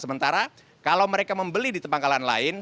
sementara kalau mereka membeli di pangkalan lain